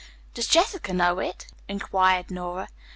"Does Jessica know it?" inquired Nora.